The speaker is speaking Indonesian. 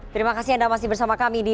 terima kasih anda masih bersama kami di